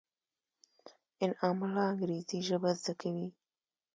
انعام الله انګرېزي ژبه زده کوي.